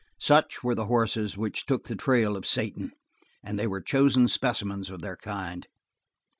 Such were the horses which took the trail of Satan and they were chosen specimens of their kind.